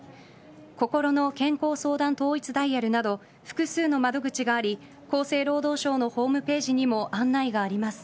こころの健康相談統一ダイヤルなど複数の窓口があり厚生労働省のホームページにも案内があります。